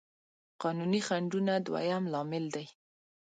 قانوني خنډونه دويم لامل دی.